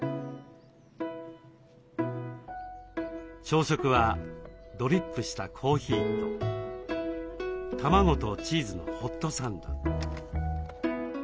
朝食はドリップしたコーヒーと卵とチーズのホットサンド。